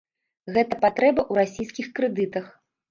Гэта патрэба ў расійскіх крэдытах.